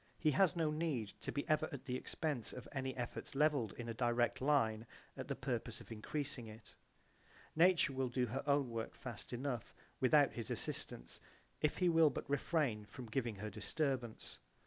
He has no need to be ever at the expense of any efforts levelled in a direct line at the purpose of increasing it. Nature will do her own work fast enough without his assistance if he will but refrain from giving her disturbance.